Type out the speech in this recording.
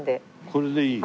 これでいい？